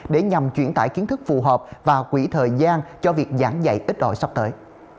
để nhằm chuyển tải kiến thức phù hợp và quỹ thời gian cho việc giảng dạy ít đổi sắp tới